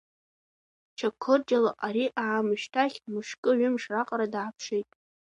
Чақырџьалы ари аамышьҭахь мышкы-ҩымш раҟара дааԥшит.